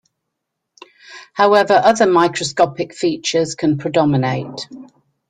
However, other microscopic features can predominate.